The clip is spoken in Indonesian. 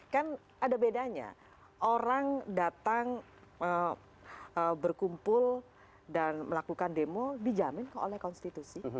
kan ada bedanya orang datang berkumpul dan melakukan demo dijamin oleh konstitusi